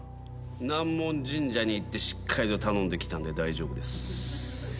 ナンモン神社に行ってしっかりと頼んできたんで大丈夫です。